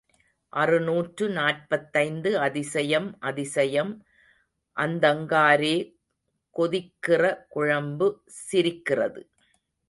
அறுநூற்று நாற்பத்தைந்து அதிசயம் அதிசயம் அத்தங்காரே கொதிக்கிற குழம்பு சிரிக்கிறது.